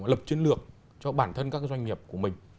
lập chiến lược cho bản thân các doanh nghiệp của mình